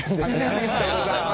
ありがとうございます。